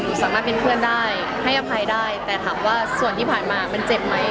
สามารถเป็นเพื่อนได้ให้อภัยได้แต่ถามว่าส่วนที่ผ่านมามันเจ็บไหม